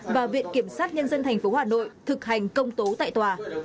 và viện kiểm sát nhân dân tp hà nội thực hành công tố tại tòa